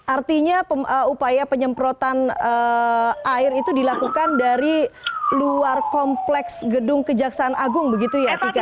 artinya upaya penyemprotan air itu dilakukan dari luar kompleks gedung kejaksaan agung begitu ya tika